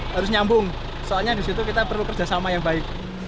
harus nyambung soalnya disitu kita perlu kerjasama yang baik